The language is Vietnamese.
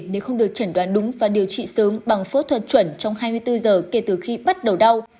nếu không được chẩn đoán đúng và điều trị sớm bằng phẫu thuật chuẩn trong hai mươi bốn giờ kể từ khi bắt đầu đau